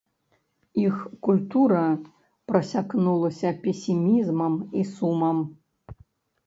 Іх культура прасякнулася песімізмам і сумам.